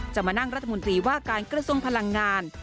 มานั่งรัฐมนตรีว่าการกระทรวงพลังงาน